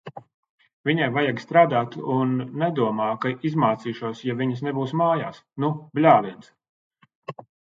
Viņai vajag strādāt un nedomā, ka izmācīšos, ja viņas nebūs mājās. Nu bļāviens!